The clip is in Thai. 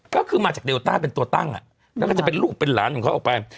ก็คือมาจากเดลต้าเป็นตัวตั้งแล้วก็จะเป็นลูกเป็นหลานของเขาออกไป